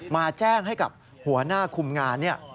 มาแจ้งให้กับหัวหน้าคุมงาน